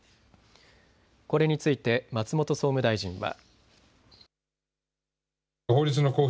これについて松本総務大臣は。